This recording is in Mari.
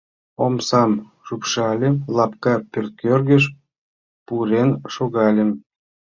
Омсам шупшыльым, лапка пӧрткӧргыш пурен шогальым.